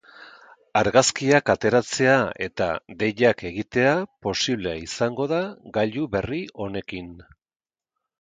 Argazkiak ateratzea eta deiak egitea posible izango da gailu berri honekin.